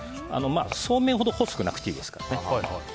そうめんほど細くなくていいですからね。